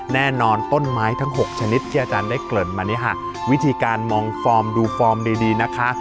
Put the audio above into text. แน่นอนต้นไม้ทั้ง๖ชนิดที่อาจารย์ได้เกริ่นมาเนี่ยค่ะวิธีการมองฟอร์มดูฟอร์มดีนะคะ